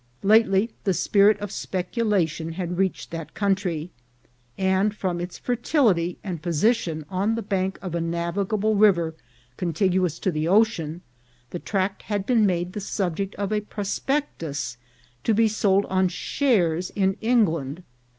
Lately the spirit of speculation had reached that coun try ; and from its fertility and position on the bank of a navigable river contiguous to the ocean, the tract had been made the subject of a prospectus, to be sold on shares in England.